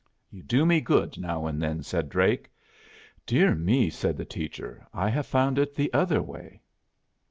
"You do me good now and then," said Drake. "Dear me," said the teacher, "I have found it the other way."